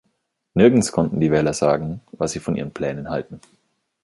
Nirgends konnten die Wähler sagen, was sie von Ihren Plänen halten.